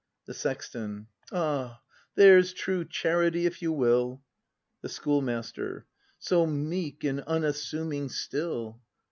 The Sexton. Ah, there's true charity, if you will! The Schoolmaster. So meek and unassuming still.